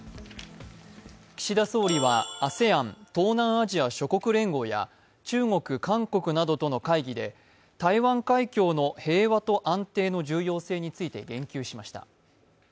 岸田総理はＡＳＥＡＮ＝東南アジア諸国連合や中国、韓国などとの会議で台湾海峡の平和と安定の重要性について言及しました。